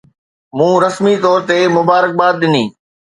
مون رسمي طور تي مبارڪباد ڏني.